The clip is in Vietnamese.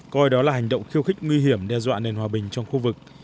coi đó là hành động khiêu khích nguy hiểm đe dọa nền hòa bình trong khu vực